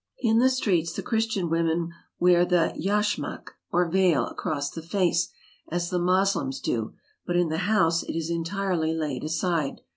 In the streets the Christian women wear the yashmak, or veil, across the face, as the Moslems do, but in the house it is entirely laid aside.